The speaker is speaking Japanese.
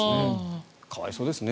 可哀想ですね。